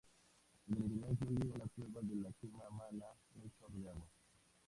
En el interior incluye una cueva de la que mana un chorro de agua.